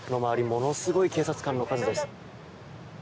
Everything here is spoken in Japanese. ものすごい警察官の数です。